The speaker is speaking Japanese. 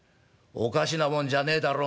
「おかしなもんじゃねえ。